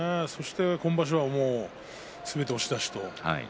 今場所はすべて押し出しと。